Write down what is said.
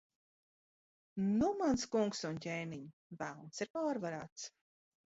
Nu, mans kungs un ķēniņ, Velns ir pārvarēts.